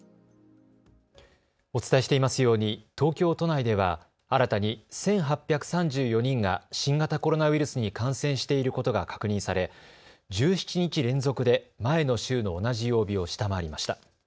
お伝えしていますように東京都内では新たに１８３４人が新型コロナウイルスに感染していることが確認され１７日連続で前の週の同じ曜日を下回りました。